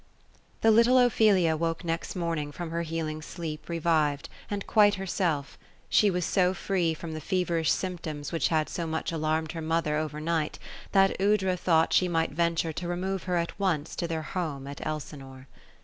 The little Ophelia awoke next morning from her healing sleep, re vived ; and quite herself She was so free from the feverish symptoms which had so much alarmed her mother, overnight, that Aoudra thought she might venture to remove her at once to their home at Elsinore.